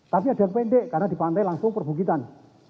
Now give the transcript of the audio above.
tapi ada yang pendek karena di pantai langsung perbukitan